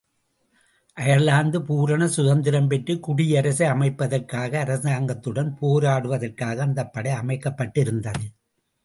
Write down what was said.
Ireland பூரண சுதந்திரம் பெற்றுக் குடியரசை அமைப்பதற்காக அரசாங்கத்துடன் போராடுவதற்காக அந்தப் படை அமைக்கப்பட்டிருந்தது.